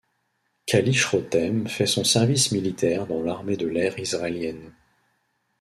Kalisch-Rotem fait son service militaire dans l'armée de l'air israélienne.